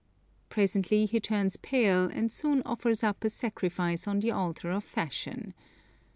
Presently he turns pale and soon offers up a sacrifice on the altar of fashion.